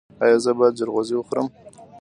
ایا زه باید جلغوزي وخورم؟